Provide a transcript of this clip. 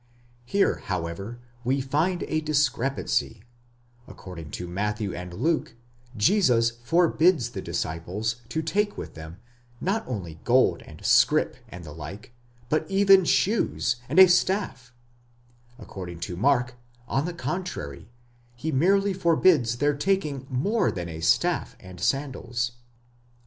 Here, however, we find a discrepancy ; according to Matthew and Luke, Jesus forbids the disciples to take with them, not only gold, a scrip, and the like, but even shoes, ὑποδήματα, and a staff, ῥάβδον; according to Mark, on the contrary, he merely forbids their taking more than a s¢aff and sandals, εἰ μὴ ῥάβδον μόνον and σανδάλια.